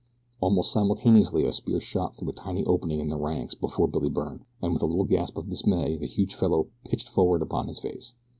Almost simultaneously a spear shot through a tiny opening in the ranks before Billy Byrne, and with a little gasp of dismay the huge fellow pitched forward upon his face.